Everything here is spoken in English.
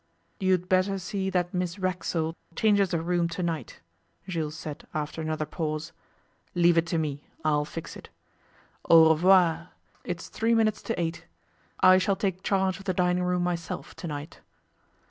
'You'd better see that Miss Racksole changes her room to night,' Jules said after another pause. 'Leave it to me: I'll fix it. Au revoir! It's three minutes to eight. I shall take charge of the dining room myself to night.